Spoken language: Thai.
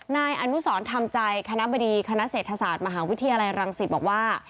นายอนุสรธรรมใจคณะบดีคณะเศรษฐศาสตร์มหาวิทยาลัยรังสิตบอกว่า